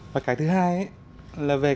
và cái thứ hai là về cái